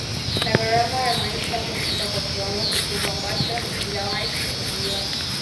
na gharama ya maisha kushuka kwa kiwango kikubwa ambacho hakijawahi kushuhudiwa